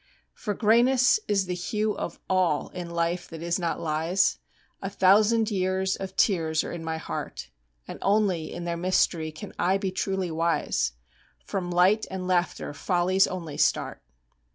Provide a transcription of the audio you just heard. For grayness is the hue of all In life that is not lies. A thousand years of tears are in my heart; And only in their mystery Can I be truly wise: From light and laughter follies only start.